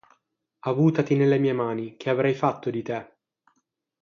Avutati nelle mie mani, che avrei fatto di te?